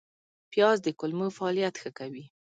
پیاز د کولمو فعالیت ښه کوي